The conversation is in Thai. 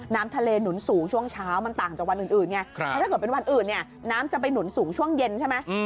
น้ำทะเลหนุนสูงช่วงเช้ามันต่างจากวันอื่นไงเพราะถ้าเกิดเป็นวันอื่นเนี่ยน้ำจะไปหนุนสูงช่วงเย็นใช่ไหม